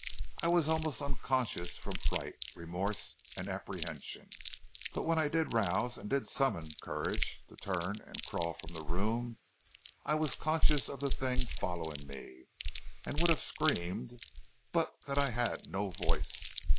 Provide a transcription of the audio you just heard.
I was almost unconscious from fright, remorse, and apprehension. But when I did rouse and did summon courage to turn and crawl from the room, I was conscious of the thing following me, and would have screamed, but that I had no voice.